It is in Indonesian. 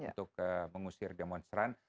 untuk mengusir demonstran